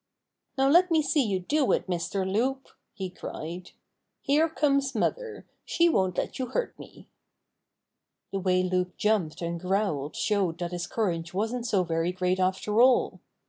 "Now let me see you do it, Mr. Loup!" he cried. "Here comes mother! She won't let you hurt me!" The way Loup jumped and growled showed that his courage wasn't so very great after all.